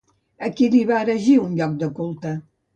A qui li va erigir un lloc de culte?